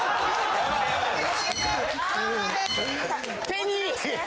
手に！